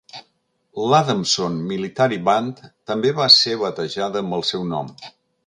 L'Adamson Military Band també va ser batejada amb el seu nom.